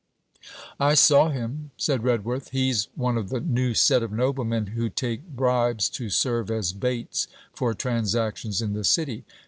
'I saw him,' said Redworth. 'He 's one of the new set of noblemen who take bribes to serve as baits for transactions in the City.